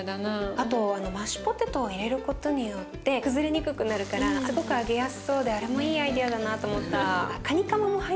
あとマッシュポテトを入れることによって崩れにくくなるからすごく揚げやすそうであれもいいアイデアだなと思った。